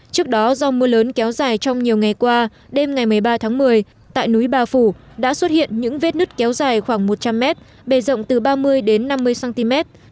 trước đó do mưa lớn kéo dài trong nhiều ngày qua đêm ngày một mươi ba tháng một mươi tại núi bà phủ đã xuất hiện những vết nứt kéo dài khoảng một trăm linh mét bề rộng từ ba mươi đến năm mươi cm